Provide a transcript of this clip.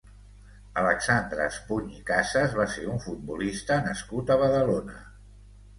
Alexandre Espuny i Casas va ser un futbolista nascut a Badalona.